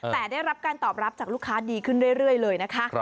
แต่ได้รับการตอบรับจากลูกค้าดีขึ้นเรื่อยเลยนะคะ